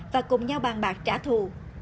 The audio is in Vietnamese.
và cùng nhau bàn bạc trả thù